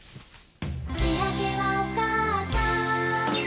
「しあげはおかあさん」